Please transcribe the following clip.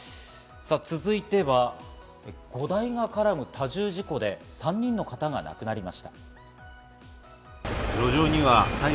続いては５台が絡む多重事故で３人の方が亡くなりました。